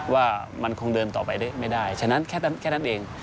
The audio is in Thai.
ว่ามันคงเดินต่อไปไม่ได้ฉะนั้นแค่นั้นเอง